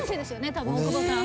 多分大久保さん。